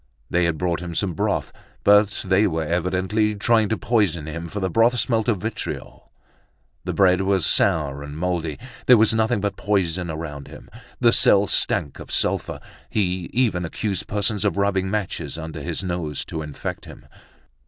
They had brought him some broth, but they were evidently trying to poison him, for the broth smelt of vitriol. The bread was sour and moldy. There was nothing but poison around him. The cell stank of sulphur. He even accused persons of rubbing matches under his nose to infect him.